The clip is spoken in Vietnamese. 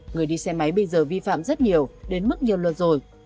người đi xe máy bây giờ vi phạm rất nhiều đến mức nhiều luật rồi